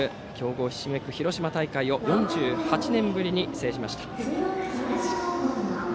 強豪ひしめく広島大会を４８年ぶりに制しました。